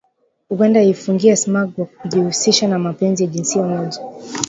Uganda yaifungia smug kwa kujihusishanna mapenzi ya jinsia moja